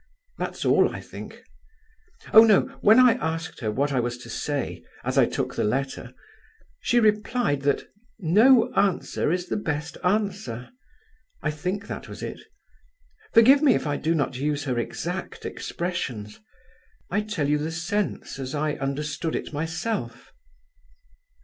That's all, I think. Oh no, when I asked her what I was to say, as I took the letter, she replied that 'no answer is the best answer.' I think that was it. Forgive me if I do not use her exact expressions. I tell you the sense as I understood it myself."